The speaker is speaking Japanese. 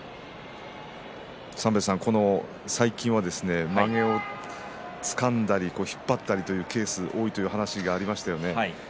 最近はまげをつかんだり引っ張ったりというケースが多いという話がありました。